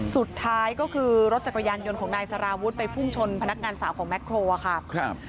สุดท้ายก็คือรถจักรยานยนต์ของนายสารวุฒิไปพุ่งชนพนักงานสาวของแม็กโครอะค่ะครับ